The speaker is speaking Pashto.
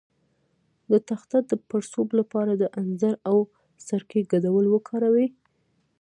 د تخه د پړسوب لپاره د انځر او سرکې ګډول وکاروئ